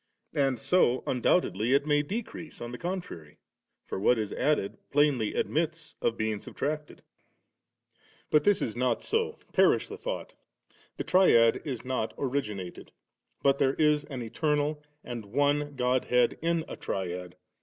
And so undoubtedly it may decrease on the contrary, for what is added plainly admits of being subtracted. 18. But this is not so : perish the thought; the Triad is not originated ; but there is an eternal and one Godhead in a Triad, and tAD0cr.